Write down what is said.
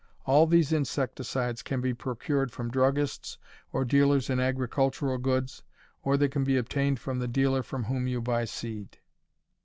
All these insecticides can be procured from druggists or dealers in agricultural goods, or they can be obtained from the dealer from whom you buy seed.